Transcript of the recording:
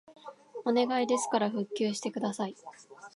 お願いですから復旧してください